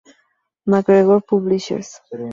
McGregor Publishers.